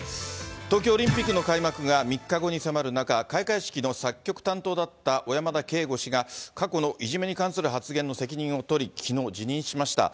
東京オリンピックの開幕が３日後に迫る中、開会式の作曲担当だった小山田圭吾氏が、過去のいじめに関する発言の責任を取り、きのう辞任しました。